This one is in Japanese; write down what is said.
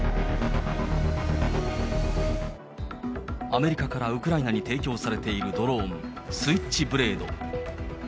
アメリカからウクライナに提供されているドローン、スイッチブレード。